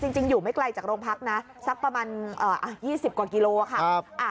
จริงอยู่ไม่ไกลจากโรงพักนะสักประมาณ๒๐กว่ากิโลค่ะ